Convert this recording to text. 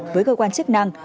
với cơ quan chức năng